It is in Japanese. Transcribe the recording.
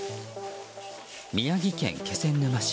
宮城県気仙沼市。